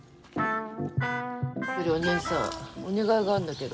お姉さんお願いがあるんだけど。